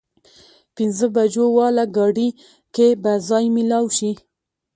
پينځه بجو واله ګاډي کې به ځای مېلاو شي؟